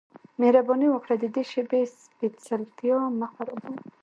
مهرباني وکړه د دې شیبې سپیڅلتیا مه خرابوه